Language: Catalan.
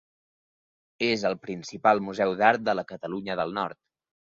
És el principal museu d'art de la Catalunya del Nord.